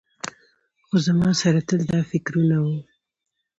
خو زما سره تل دا فکرونه وو.